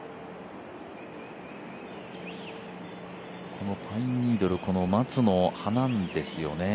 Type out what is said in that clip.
このパインニードル、この松の葉なんですよね。